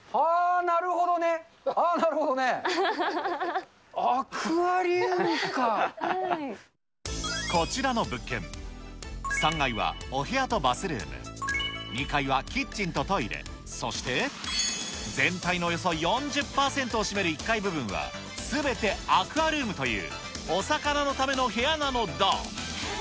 あー、なるほどね。こちらの物件、３階はお部屋とバスルーム、２階はキッチンとトイレ、そして、全体のおよそ４０％を占める１階部分は、すべてアクアルームという、お魚のための部屋なのだ。